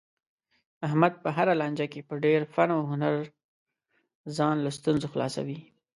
احمد په هره لانجه کې په ډېر فن او هنر ځان له ستونزو خلاصوي.